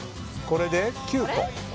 これで９個。